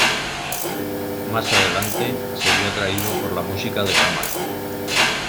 Más adelante se vio atraído por la música de cámara.